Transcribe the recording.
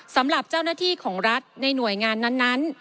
สำหรับเจ้าหน้าที่ของรัฐในหน่วยงานนั้น